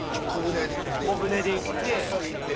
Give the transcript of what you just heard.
小舟でこっそり行って。